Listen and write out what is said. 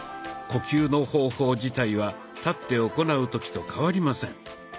呼吸の方法自体は立って行う時と変わりません。